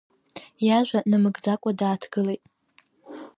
Иажәа намыгӡакәа дааҭгылеит.